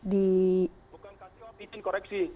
bukan kasih opsudin koreksi